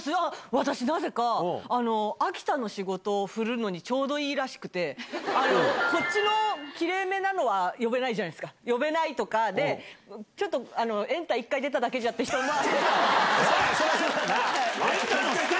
私、なぜか、秋田の仕事を振るのにちょうどいいらしくて、こっちのきれいめなのは呼べないじゃないですか、呼べないとかで、ちょっとエンタ１回出ただけじゃっていう人も。